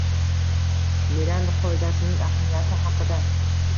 Miranda qoidasining ahamiyati haqida